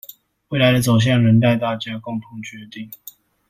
未來的走向仍待大家共同決定